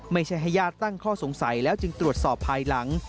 ไม่ใช่ให้ญาติตั้งข้อสงสัยแล้วจึงตรวจสอบภายหลัง